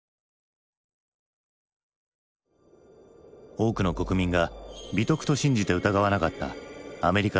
多くの国民が美徳と信じて疑わなかったアメリカの純粋さ。